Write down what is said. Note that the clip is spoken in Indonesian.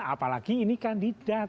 apalagi ini kandidat